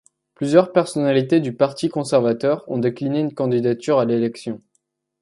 Plusieurs personnalités du Parti conservateur ont décliné une candidature à l'élection.